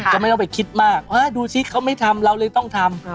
ก็ไม่ต้องไปคิดมากดูสิเขาไม่ทำเราเลยต้องทำ